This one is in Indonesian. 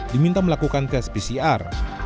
diminta melakukan tes pcr